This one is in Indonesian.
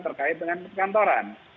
terkait dengan perkantoran